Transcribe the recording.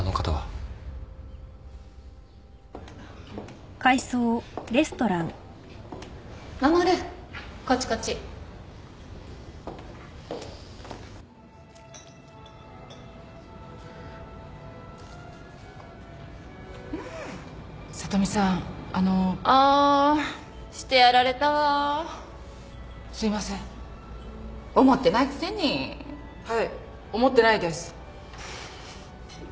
はい思ってないです